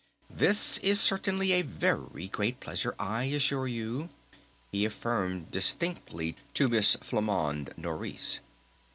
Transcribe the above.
"This is certainly a very great pleasure, I assure you," he affirmed distinctly to Miss Flamande Nourice.